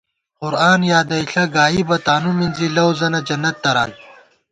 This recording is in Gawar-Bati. قرآن یادَئݪہ گائیبہ تانُو مِنزی ، لَؤ زَنہ، جنت تران